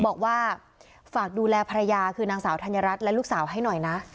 บอกว่าฝากดูแลภรรยาคือนางสาวธัญรัฐและลูกสาวให้หน่อยนะ